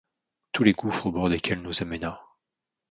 Tous les gouffres au bord desquels nous amèna